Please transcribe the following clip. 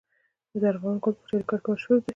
د ارغوان ګل په چاریکار کې مشهور دی.